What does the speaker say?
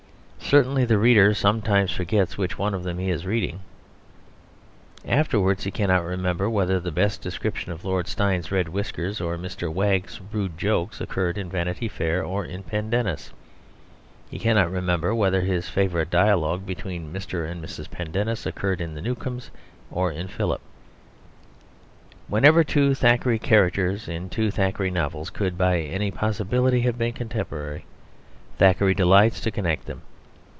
Certainly the reader sometimes forgets which one of them he is reading. Afterwards he cannot remember whether the best description of Lord Steyne's red whiskers or Mr. Wagg's rude jokes occurred in Vanity Fair, or Pendennis; he cannot remember whether his favourite dialogue between Mr. and Mrs. Pendennis occurred in The Newcomes, or in Philip. Whenever two Thackeray characters in two Thackeray novels could by any possibility have been contemporary, Thackeray delights to connect them.